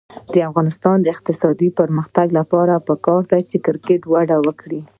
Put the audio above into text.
د افغانستان د اقتصادي پرمختګ لپاره پکار ده چې کرکټ وده وکړي.